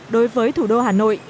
đối với thủ đô hà nội